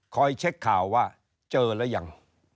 คอยเช็คข่าวว่าเจอแล้วยัง